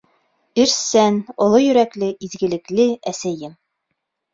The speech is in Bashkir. Эшсән, оло йөрәкле, изгелекле әсәйем!